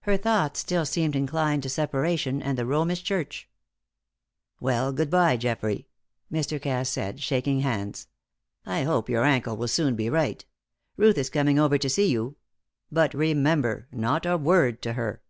Her thoughts still seemed inclined to separation and the Romish Church. "Well, good bye, Geoffrey," Mr. Cass said, shaking hands. "I hope your ankle will soon be right. Ruth is coming over to see you. But, remember, not a word to her."